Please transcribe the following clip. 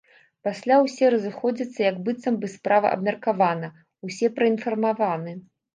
Пасля ўсе разыходзяцца як быццам бы справа абмеркавана, усе праінфармаваны.